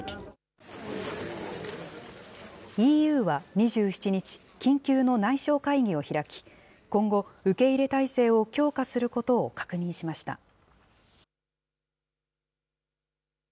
ＥＵは２７日、緊急の内相会議を開き、今後、受け入れ態勢を強化することを確認しました。